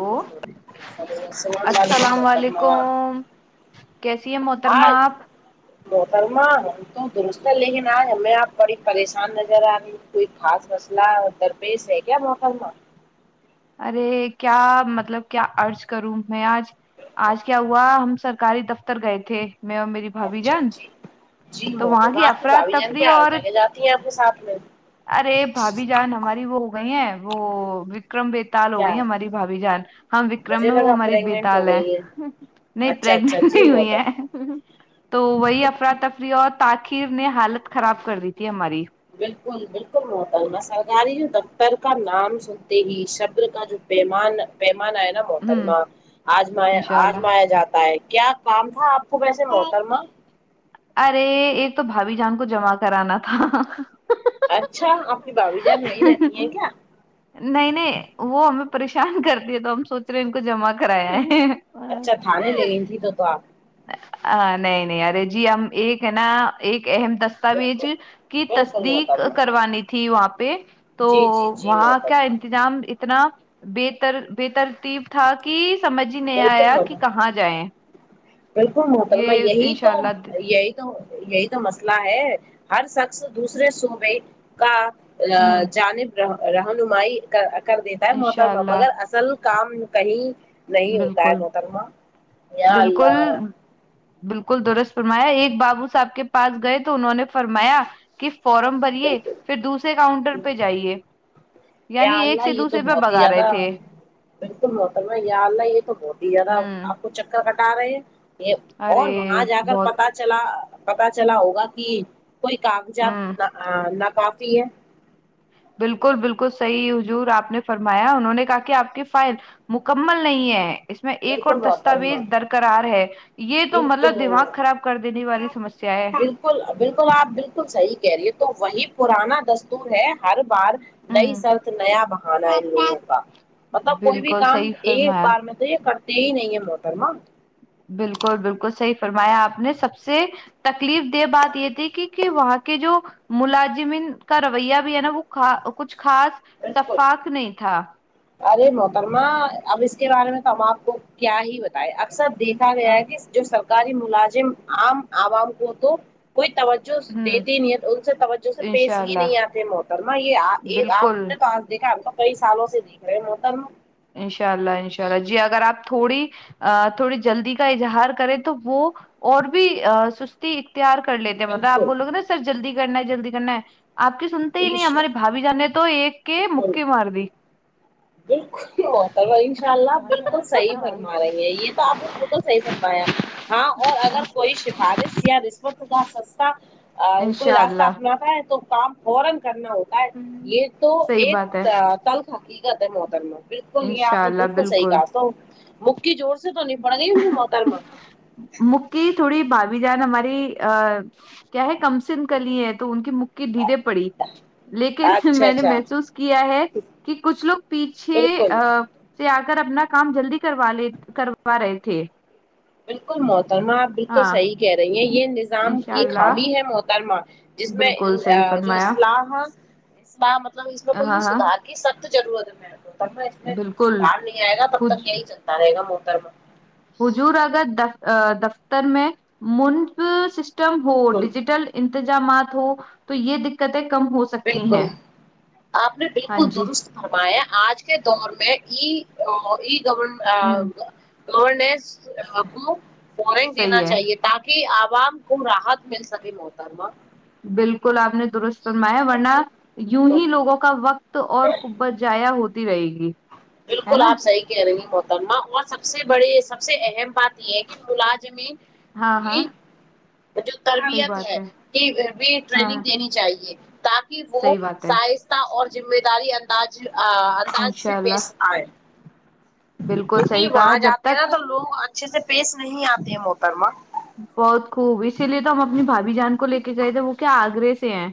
او hello السلام علیکم السلام و محترمہ علیکم کیسی ہے محترمہ آج آپ محترمہ میں تو درست ہو لیکن آج ہمیں آپ بڑی پریشان نظر آ رہی کوئی خاص مسئلہ درپیش ہے کیا محترمہ ارے کیا مطلب کیا عرض کروں میں آج آج کیا ہوا ہم سرکاری دفتر گئے تھے میں اور میری بھابی اچھا جان جی جی تو وہاں محترمہ آپ کی افراد بھابی جان تفریح کیا ہر اور جگہ جاتی ہیں آپ کے ساتھ میں ارے بھابھی جان ہماری وہ ہو گئی ہیں وہ وکرم بے تال ہو کیا گئی ہماری بھابھی جان ہم وکرم مجھے ہے وہ لگا ہماری پریگنٹ ہو بیتال ہے گئی نہیں اچھا اچھا پرریگنٹ جی نہیں ہوئی محترمہ ہیں تو وہی افراتفری اور تاخیر نے حالت خراب کر دی تھی ہماری بالکل بالکل محترمہ سرگاری جو دف تر کا نام سنتے ہی شبر کا جو پیمان پیمانہ تا ہوں محترما آج م انشاء آج اللہ مایا جاتا ہے کیا کام تھا آپ کو ویسے محترمہ ارے ایک تو بھابی جان کو جمع کرانا تھا اچھا آپ کی بھابی جان وہی رہتی ہیں کیا نہیں نہیں وہ ہمیں پریشان کرتی ہے تو ہم سوچ رہے ہیں ان کو جمع کرایا ہے اچھا تھاانے لے گئی تھی تو آپ نہیں نہیں ارے جی ہم ایک ہے نا ایک اہم دس توآج بالکل کی بالکل تصدیق محترمہ کروانی تھی وہاں پہ تو جی جی جی وہاں کا محترمہ انتظام اتنا بےتر بے ترتیب تھا کہ سمجھ ہی نہیں بالکل آیا کی محترمہ کہاں جائیں بالکل محترمہ یہ یہی انشاء تو اللہ ہ یہی تو یہی تو مسئلہ ہے ہر شخص دوسرے صوبے کا جانب رہنمائی کر دیتا ہے انشاء محترمہ اللہ مگر اصل کام کہیں نہیں ہوتا ہے بالکل محترمہ یا بالکل اللہ بالکل درست فرمایا ایک بابو صاحب کے پاس گئے تو انہوں نے فرمایا کہ فارم بریے بالکل پھر دوسرے کاؤنٹر پہ جائیے یا یعنی ایک اللہ سے یہ تو دوسرے پہ بہت ہی بگا رہے زیادہ تھے بالکل محترما یہ اللہ یہ تو بہت ہی زیادہ ہوں آپ کو چکر کٹا رہے ہیں یہ ارے اور وہاں جا کر بہت پتا چلا پتا چلا ہوگا کہ کوئی ہوں کاغذات ناکفی ہے بالکل بالکل صحیح حضور آپ نے فرمایا انہوں نے کہا کہ آپ کی فائن مکمل نہیں ہے اس میں ایک اور بالکل دستاویز محترمہ درکرار ہے یہ تو بالکل مطلب دماغ خراب کر دینے والی سمسیا ہے بالکل بالکل آپ بالکل صحیح کہہ رہیے تو وہی پرانا دستور ہے ہر بار نئی ہ سرط نیا بہانا ہے ان لوگوں کا مطلب کوئی بھی بالکل کام صحیح ایک فرمایا بار میں توہ یہ کرتے ہی نہیں ہے محترمہ بالکل بالکل صحیح فرمایا آپ نے سب سے تکلیف دہ بات یہ تھی کہ کہ وہاں کے جو ملازمین کا رویہ بھی ہے نا وہ کچھ خاص بالکل شفاق نہیں تھا ارے محترما اب اس کے بارے میں تو ہم آپ کو کیا ہی بتائے اکثر دیکھا گیا ہے کہ جو سرکاری ملازم عام عوام کو تو کوئی توجہ ہوں دیتی نہیں ہے ان سے توجہ سے پیش انشاء ہی اللہ نہیں آتے محترما یہ آپ بالکل نے تو دیکھا ہم تو کئی سالوں سے دیکھ رہے محترمہ انشاء اللہ انشاء اللہ جی اگر آپ تھوڑی ا تھوڑی جلدی کا اظہار کرے تو وہ اور بھی سستی تیار کر لیتے ہیں مطلب آپ بالکل بولو گے نا سر جلدی کرنا ہے جلدی کرنا ہے آپ کے سنتے ہی نہیں عش ہماراری بھابھی جان نے تو ایک کے بالکل می مار دی ہو انشاءاللہ بالکل صحیح فرما رہی ہیں یہ تو آپ نے بالکل صحیح فرمایا ہاں اور اگر کوئی سفارش یا رشوت کا سستا کوئی انشاء راستہ اللہ اپناتا ہے تو کام فورا کرنا ہوگ یہ تو صحیح ایک بات ہے کل حقیقت ہے محتر میں بالکل یہ آپ انشاء نے اللہ بالکل صحیح کہا تو مک کی جور سے تو نہیں پڑیں گی ان محترما مکی تھوڑی بھابھی جان ہماری ا کیا ہے کم سین کلی ہیں تو ان کی مک کی ڈھیرے پڑی لیکن اچھا میں نے اچھا محسوس کیا ہے کہ کچھ لوگ پیچھے بالکل ا سے آ کر اپنا کام جلدی کروا لے کروا رہے تھے بالکل محترمہ آپ بالکل ہاں صحیح کہہ رہی ہیں یہ نظام انشاء ایک اللہ خامی ہے محترمہ جس میں بالکل صحیح جو فرمایا اسلح اس مطلب اس میں کوئی ہاں بھی ہاں سدار کہ سخت ضرورت ہے میرے کو دم اس میں بالکل سدار نہیں آئے گا تب کچھ تک یہی چلتا رہے گا محترمہ حضور اگر دف دفتر میں منف سسٹم ہو بالکل ڈجیٹل انتظامات ہو تو یہ دقتیں کم ہوک بالکل آپ نے ہاں بالکل جی درست فرمایا آج کے دور میں ای ای ہ گورن گس کو فورین دینا صحیح ہے چاہیے تا کہ عوام کو راحت مل سکے محترمہ بالکل آپ نے درست فرمایا ورنہ بالکل یوں بالکل ہی لوگوں کا وقت تو اور کبت جایا ہوتی رہے گی ہے بالکل نا آپ صحیح کہہ رہی ہے محت محترمہ اور سب سے بڑے سب سے اہم بات یہ ہے کہ ملازمین ہاں ہاں کی جو صحیح تربیت بات ہے کہ بھی ٹریننگ ہاں دینی چاہیے تا کہ وہ صحیح بات ہے سہستا اور ذمہ داری انداز ا انشاء اللہ آئے بالکل کیونکہ صحیح کہا وہاں جب جاتے ہیں نا تک تو لوگ اس اچھے سے پیس نہیں آتے ہے محترمہ بہت خوب اسی لیے تو ہم اپنی بھابھی جان کو لے کے گئے تھے وہ کیا آگرے سے ہیں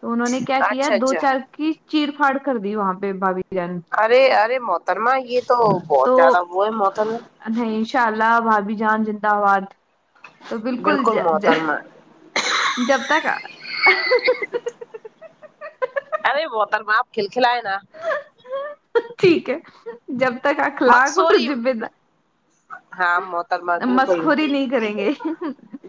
تو انہوں نے کیا کیا اچھا دو اچھا چار کی چییر پاڑ کر دی وہاں پہ باابھی ارے ارے محترما یہ تو بہت تو زیادہ وہ ہے محترما نہیں ان شاء اللہ بھابھی جان زندباد تو بالکل ج ج جب تک ارے محترمہ آپ کهیل کھلا یے نا ٹھیک ہے جب تک اخلاق اور مقصوری جبے دار ہاں محترمہ بالکل مسخوری نہیں کریں گے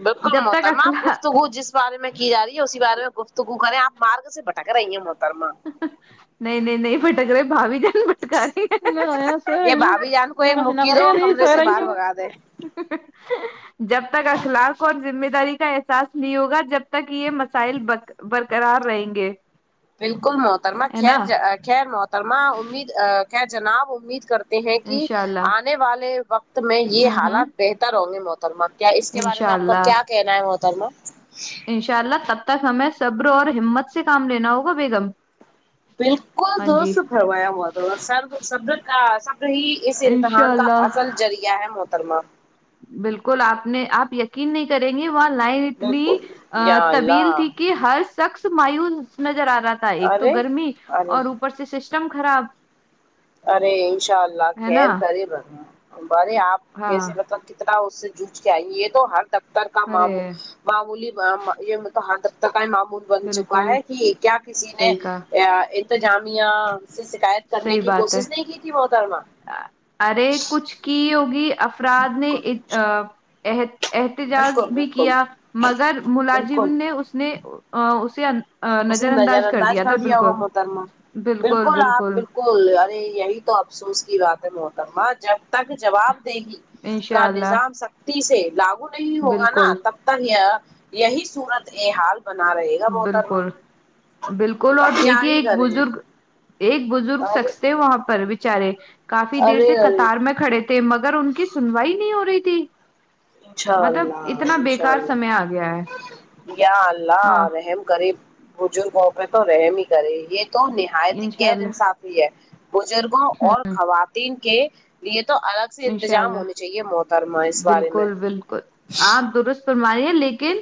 بالکل جب تک محترما آپ اخلاق گفتگو جس بارے میں کی جا رہی ہے اسیار میں گفتگو کریں آپ مارگ سے بٹک رہی ہیں محترما نہیں نہیں نہیں پٹک رہے بابھی جان پٹک س س یہ بھابھی جان کو ایک رہوں مکی دو ک کمرے سے باہر سو بھگا دے [unintelligible] جب تک اخلاق اور زمینداری کا ایسا سالف نہیں ہوگا جب تک یہ مسائل برقرار رہیں گے بالکل محترما ہے نا خیر خیر محترما امید خیر جناب امید کر ہیں کہ انشاء اللہ آنے والے وقت میں یہ ہوں ہوں حالات بہتر ہوں گے م محترما کیا اس کے بارے انشاء میں آپ کا اللہ کیا کہنا ہے محترما انشاء اللہ تب تک ہمیں صبر اور ہمت سے کام لینا ہوگا بیگم بالکل ہاں جی درست فرمایا محترمہ سر صبر کا ایسا پ ہی اس انشاء امتحان کا اللہ اصل ذریعہ ہے محترمہ بالکل آپ نے آپ یہ نہیں کریں گے وہاں لائن اتنی بالکل یا طبیل اللہ تھی کہ ہر سخص مایوس نظر آ رہا تھا ایک تو ارے گرمی ارے اور اوپر سے سسٹم خراب ارے انشاء اللہ ہے نا خیر کرے آرے آپ ہاں کیسے مطلب اس سے جج کے آئی یہ تو ہر دفتر کا ارے مامو معمولی یہ مل ہر دفتر کا ہی معمولی بن چکا بالکل ہے کہ کیا کسی نے صحیح کا انتظامیہ سے شکایت کرنے صحیح کی بات ہے کوشش نہیں کی تھی محتر مہ ارے کچھ کی ہوگی افراد نے ا احد احتجاج بالکل بھی بالکل کیا مگر ملازم بالکل نے اس نے اسے نظر انداز کر دیا تھا بالکل بالکل بالکل ارے یہی تو افسوس کی بات ہے محتر مہ جب تک جواب دگی کا انشاء اللہ نظام سختی سے لاگو نہیں ہوگا نا بالکل تب ہے یہی سورت یہ حال بنا رہے گا محترمہ بالکل بالکل اب اور کیا دیکھیے ہی ایک کریں بزرگ ایک بزرگ ارے شخص تھے وہاں پر بچارے کافی دیر سے ارے ارے قطار میں کھڑے تھے مگر ان کی سنوائی نہیں ہو رہی تھی انشاء مطلب اللہ اتنا انشاء بیکار اللہ سمے آ گیا ہے یا اللہ ہاں رحم کرے بزرگوں پہ تو رحم ہی کرے یہ تو نہایت ہی انشاء غیر اللہ انصافی ہے بزرگوں اور خواتین کے لیے تو الگ ایسے انشاء انتظام اللہ ہونے چاہیے محتر مہ اس بارے میں بالکل بالکل آپ درست فرمایے ہیں لیکن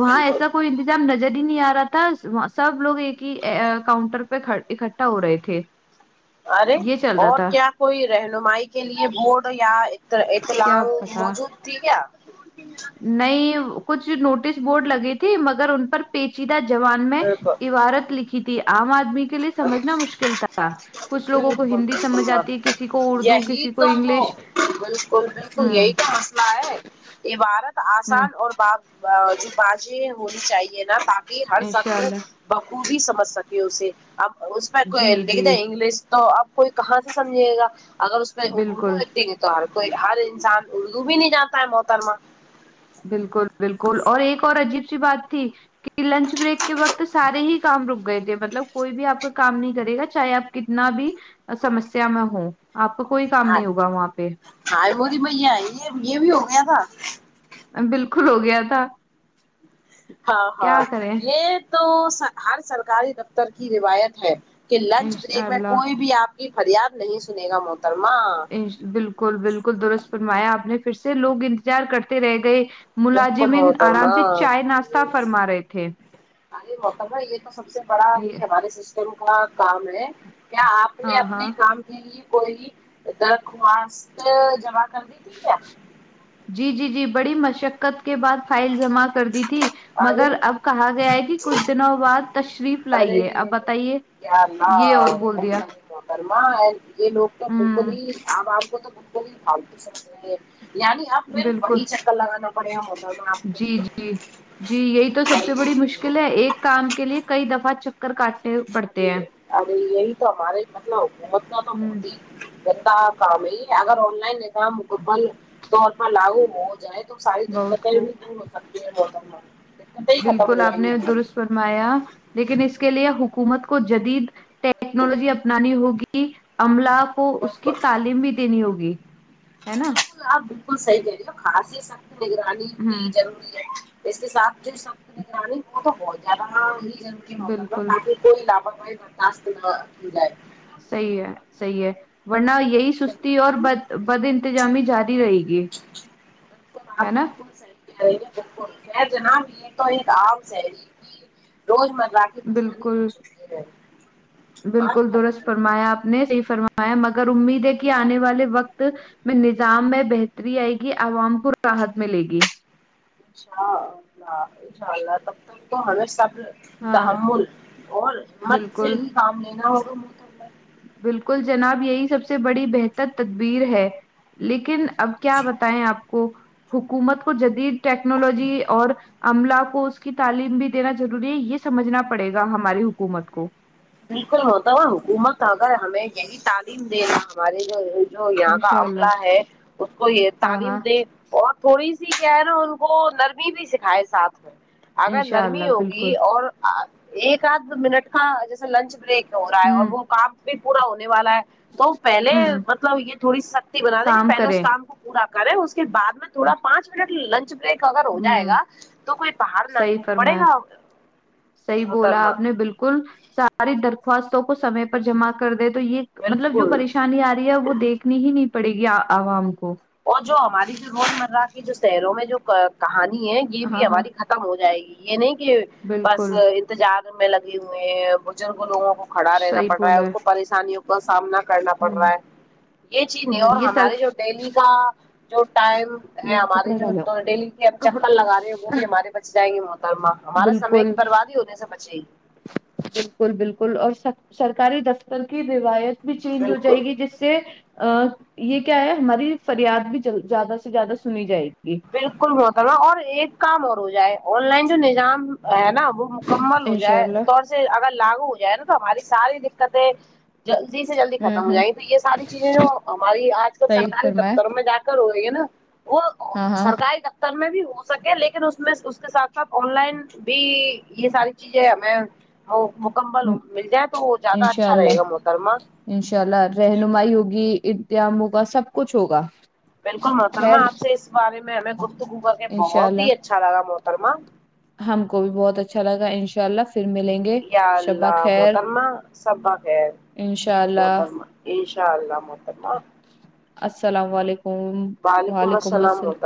وہاں بالکل ایسا کوئی ظام نظر ہی نہیں آ رہا تھا سب لوگ ایک ہی کاؤنٹر پہ اکٹھا ہو رہے تھے ارے یہ چل رہا اور تھا کیا کوئی رہنمائی کے لیے بورڈ یا تو کیا لگ پتا موجود تھی کیا نہیں کچھ نوٹس بورڈ لگی تھی مگر ان پر پیچیدہ زبان میں بالکل عبارت لکھی تھی آم آدمی کے کے لیے اچھا سمجھنا مشکل تھا کچھ لوگوں بالکل کو ہندی سمجھ بالکل آتی کسی کو میم اردو یہی کسی کو تو انگلش بالکل بالکل ہ یہی کا مسلہ ہے عبارت ہ آسان اور ب جو بازیں ہونی چاہیے نا تاکہ کہ ہر انشاء اللہ شخص بخوبی سمجھ سکے اسے اب اس پہ جی کوئی لکھ دیں جی انگلش تو اب کوئی کہاں سے سمجھیے گا اگر اس پہ بالکل اردو لکھ دینگے تو ہر کوئی ہر انسان اردو بھی نہیں جانتا ہے محترما بالکل بالکل اور ایک اور عجیب سی بات تھی کہ لنچ بریک کے وقت سارے ہی کام رک گئے تھے مطلب کوئی بھی آپ کا کام نہیں کرے گا چاہے آپ کتنا بھی سمسیا میں ہوں آپ کو کوئی کام نہیں ہوگا وہاں پہ ہال وہی بھیا یہ یہ بھی ہو گیا تھا بالکل ہو گیا تھا ہاں ہاں کیا کریں یہ تو سر ہر سرکاری دفتر کی روایت ہے کہ لنچ بریک انشاء میں اللہ کوئی بھی آپ کی فریاد نہیں سنے گا محترما بالکل بالکل درست فرمایا آپ نے پھر سے لوگ انتظار کرتے رہ گئے بالکل ملازمین آرام محترمہ سے چائے ناشہ فرما رہے تھے ارے محترمہ یہ تو سب سے بڑا ہی ہمارے سسٹم کا کام ہے کیا آپ نے ہاں ہاں اپنے کام کے لیے کوئی بھی درخواست جمع کر دی تھی کیا جی جی جی بڑی مشقت کے بعد فائل جمع کر دی تھی ارے مگر اب کہا گیا ہے کہ کچھ دنوں بعد تشریف ارے لائی ہے اب بتائیے یا یہ اللہ اور بول دیا محترمہ یہ لوگ تو بالکل ہوں ہی اب آپ کو تو بالکل ہی فالتو سمجھ رہے ہیں یعنی اب پھر بالکل وہی چکر لگانا بڑھیا محترمہ آپ نے جی جی جی یہی تو سب سے بڑی مشکل ہے ایک کام کے لیے کئی دفعہ چک کر کاٹے ارے ارے یہی تو ہمارے مطلب حکومت کا تو ہوں بہت ہی بتا کام ہی اگر آن لائن ایام مکمل طور پر لاگو ہو جائے تو ساری بہت دقتیں بھی خوب دور ہو سکتی ہے محترمہ دقتیں ہی ختم ہو بالکل جائیں آپ گی نے ہماری درست فرمایا لیکن اس کے لیے حکومت کو جدید بالکل ٹیکنالوجی اپنانی ہوگی کی عملہ کو اس کی بالکل تعلیم بھی دینی ہوگی ہے نا بالکل آپ بالکل صحیح کہ رہی ہو خاص سختی نگرانی کی ہوں جرور اس کے ساتھ جو سخت نگرانی وہ تو بہت زیادہ ہی ضروری ہوتا تھا بالکل تاکہ کوئی لاپرواہی برداشت نہ کی جائے صحیح ہے صحیح ہے ورنہ یہی سستی اور بالکل بد بد انتظامی جاری رہے گی ہے نا ہے جناب یہ تو ایک عام سہری روز مرہ لگاکے بالکل [inaudible] رہ آپ بالکل درست فرمائیں فرمایا آپ نے صحیح فرمایا مگر امید ہے کہ آنے والے وقت میں نظام میں بہتری آئے گی عوام کو راحت ملے گی اچھا ان شاء اللہ تب تک تو ہمیشہ ہاں تحمل اور حکمت سے بالکل ہی کام لینا ہوگا بالکل جناب یہی سب سے بڑی بہتر تدبیر ہے لیکن اب کیا بتائیں آپ کو حکومت کو جدید ٹیکنالوجی اور عملہ کو اس کی تعلیم بھی دینا ضروری ہے یہ سمجھنا پڑے گا ہماری حکومت کو بالکل ہوتا حکومت اگر ہمیں یہی تعلیم دینا ہمارے جو جو یہاں کا انشاء اللہ عملہ ہے اس کو یہ ہاں تعلیم ہاں دے بہت تھوڑی سی کیا ہے نا ان کو نرمی بھی سکھائے ساتھ میں اگر انشاء اللہ نرمی بالکل ہوگی اور ایک آدھ منٹ کا جیسے لنچ بریک ہو رہا ہے اور ہوں وہ کام بھی پورا ہونے والا ہے تو وہ پہلے ہوں مطلب یہ تھوڑی سختی بنا دے کہ کام پہلے اس کریں کام کو پورا کریں اس کے بعد میں تھوڑا پانچ منٹ لنچ بریک اگر ہو جائے ہوں گا تو کوئی پہاڑ نہ صحیح ٹوٹ پڑے فرمایا گا صحیح بولا محترما آپ نے بالکل ساری درخواستوں کو سمے پر جمع کر دے تو یہ مطلب جو بالکل پریشانی آ رہی ہے وہ دیکھ نی ہی نہیں پڑے گی عوام کو اور جو ہماری جو روزمرہ کی جو شہروں میں جو کہانی ہے یہ بھی ہاں ہاں ہماری ختم ہو جائے گی یہ نہیں کہ بس بالکل انتجار میں لگی ہوئی ہیں بزرگ لوگوں کو کھڑا رہنا صحیح پڑ رہا ہے بولا ان کو پریشانیوں کو کا سامنا کرنا پڑ ہوں رہا ہے یہ چیز نہیں ہوں اور یہ سر ہمارے جو ڈیلی ا جو ٹائم ہے ہمارے کپڑا ڈالو جو ڈیلی کے ہم چکر لگا رہے وہ بھی ہمارے بچ جائیں گے محترمہ ہمارا سمے کی بالکل بربادی ہونے سے بچے گی بالکل بالکل اور سر سرکاری دفتر کی روایت بھی چینج ہو جائے بالکل گی جس سے ا یہ کیا ہے ہماری فریاد بھی زیادہ سے زیادہ سنی جائے گی بالکل محتر مہ اور ایک کام اور ہو جائے آن لائن سے جو نظام ہے نا وہ مکمل ہو انشاء جائے اللہ طور سے اگر لاگو ہو جائے نا تو ہماری ساری دقتیں جلدی سے جلدی ہوں ختم ہو ہوں جائیںی تو یہ ساری چیزیں جو ہماری آج کل صحیح سرکاری فرمایا دفتر میں جا ہو رہی ہے نا وہ ہاں ہاں سرکاری دفتر تر میں بھی ہو سکے لیکن اس میں اس کے ساتھ ساتھ آن لائن بی یہ ساری چیزیں ہمیں وه مکمل ہو مل جائے تو وہ جیادہ انشاء اچھا رہے گا اللہ محترمہ انشاء اللہ رہنمائی ہوگی امتحان ہوگا سب کچھ ہوگا بالکل محترمہ خیر آپ سے اس بارے میں ہمیں گفتگو کر کے انشاء بہت ہی اللہ اچھا لگا محترمہ ہم کو بھی بہت اچھا لگا ان شاء اللہ فر ملیں گے یا شبہ اللہ خیر محترمہ شب خیر انشاء الل محتر مہ انشا اللہ محترمہ السلاو علیکم وعلیکم السلام السلا محترمہ